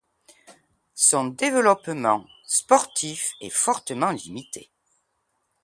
Son développement sportif est fortement limité.